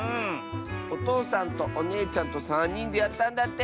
おとうさんとおねえちゃんとさんにんでやったんだって！